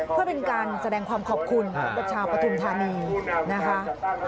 เพื่อเป็นการแสดงความขอบคุณกับชาวปฐุมธานีนะคะ